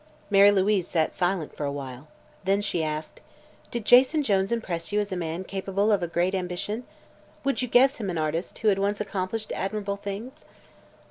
Mary Louise sat silent for a while. Then she asked: "Did Jason Jones impress you as a man capable of a great ambition? Would you guess him an artist who had once accomplished admirable things?"